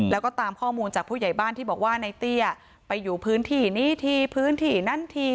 แล้วก็ตามข้อมูลจากผู้ใหญ่บ้านที่บอกว่าในเตี้ยไปอยู่พื้นที่นี้ทีพื้นที่นั้นที